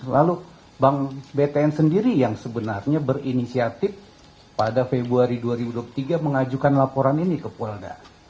lalu bank btn sendiri yang sebenarnya berinisiatif pada februari dua ribu dua puluh tiga mengajukan laporan ini ke polda